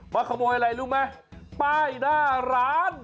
มาขโมยอะไรรู้ไหมป้ายหน้าร้าน